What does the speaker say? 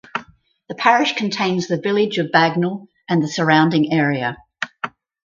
The parish contains the village of Bagnall and the surrounding area.